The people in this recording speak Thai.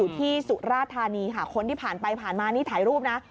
ที่สุราธานีค่ะคนที่ผ่านไปผ่านมานี่ถ่ายรูปนะ